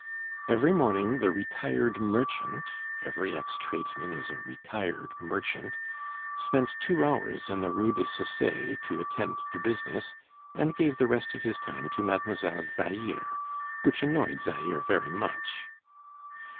Every morning the retired merchant every ex tradesman is a retired merchant spent two hours in the Rue des Saussayes to attend to business, and gave the rest of his time to Mademoiselle Zaire, which annoyed Zaire very much.